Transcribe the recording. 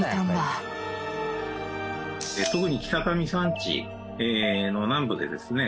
特に北上山地の南部でですね